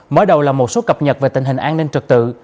mở đầu là một số cập nhật về tình hình an ninh trực tự